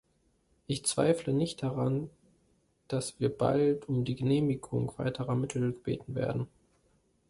Ich zweifle nicht daran, dass wir bald um die Genehmigung weiterer Mittel gebeten werden.